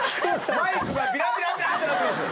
マイクがビラビラになってます。